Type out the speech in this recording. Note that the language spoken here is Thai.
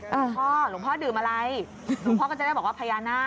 หลวงพ่อหลวงพ่อดื่มอะไรหลวงพ่อก็จะได้บอกว่าพญานาค